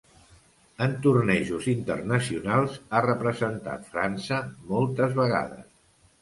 En tornejos internacionals ha representat França moltes vegades.